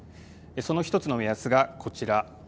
その１つの目安がこちら。